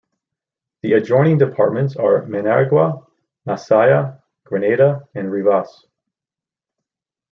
The adjoining departments are Managua, Masaya, Granada and Rivas.